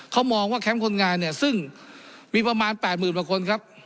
เขามองว่าแคมป์คนงานเนี่ยซึ่งมีประมาณ๘๐๐๐กว่าคนครับ